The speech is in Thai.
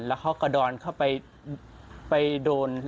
แล้วเขากระดอนเข้าไปโดน